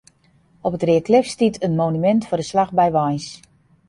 Op it Reaklif stiet in monumint foar de slach by Warns.